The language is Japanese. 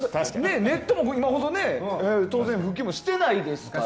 あとネットも今ほど当然、普及もしてないから。